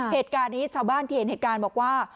เหตุการณ์นี้ชาวบ้านที่เห็นเหตุการณ์บอกว่า